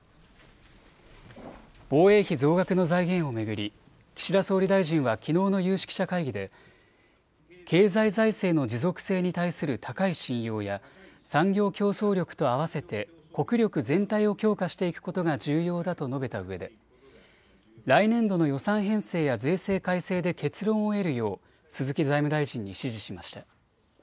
防衛費増額の財源を巡り岸田総理大臣はきのうの有識者会議で経済財政の持続性に対する高い信用や産業競争力とあわせて国力全体を強化していくことが重要だと述べたうえで来年度の予算編成や税制改正で結論を得るよう鈴木財務大臣に指示しました。